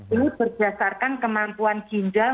ini berdasarkan kemampuan ginjal